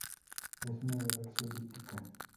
Es una galaxia elíptica